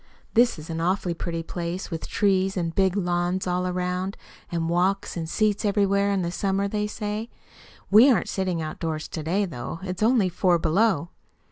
This is an awfully pretty place with trees and big lawns all around it, and walks and seats everywhere in the summer, they say. We aren't sitting outdoors to day, though. It's only four below!